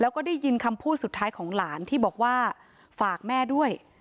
แล้วก็ได้ยินคำพูดสุดท้ายของหลานที่บอกว่าฝากแม่ด้วย